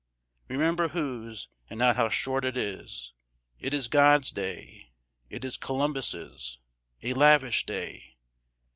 Remember whose and not how short it is! It is God's day, it is Columbus's. A lavish day!